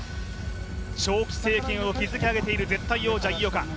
長期政権を築き上げている絶対王者、井岡。